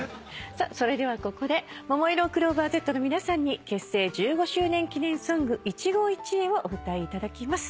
さあそれではここでももいろクローバーＺの皆さんに結成１５周年記念ソング『いちごいちえ』をお歌いいただきます。